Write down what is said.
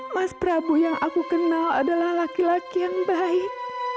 mas prabu yang aku kenal adalah laki laki yang baik